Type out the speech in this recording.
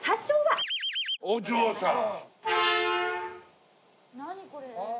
お嬢さん。